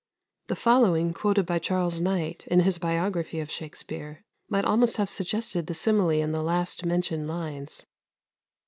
The following, quoted by Charles Knight in his biography of Shakspere, might almost have suggested the simile in the last mentioned lines.